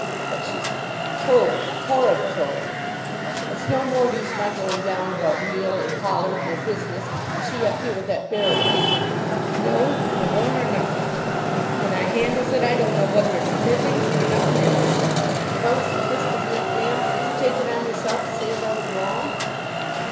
"But she's crou'll horrid crou'll. It's no more use my going down about meal and pollard, nor business, and she up here with that baro nite, no, no more nor nothin'! When I handles it I don't know whether its middlings nor nothin' else. If I was to twist his neck, ma'am, would you take it on yourself to say as I was wrong?"